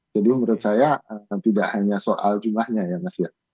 jadi menurut saya tidak hanya soal jumlahnya ya mas ya